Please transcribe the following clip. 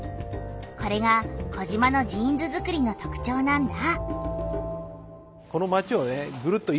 これが児島のジーンズづくりの特徴なんだ。